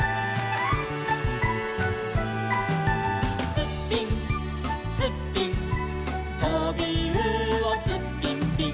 「ツッピンツッピン」「とびうおツッピンピン」